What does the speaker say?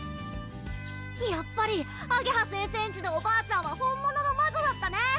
やっぱりあげは先生んちのおばあちゃんは本物の魔女だったね！